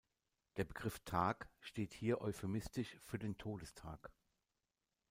Der Begriff Tag steht hier euphemistisch für den Todestag.